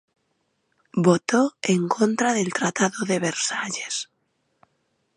Votó en contra del Tratado de Versalles.